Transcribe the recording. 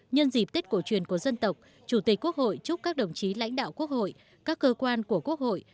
nhân dịp tết cổ truyền của dân tộc chủ tịch quốc hội chúc các đồng chí lãnh đạo quốc hội các cơ quan của quốc hội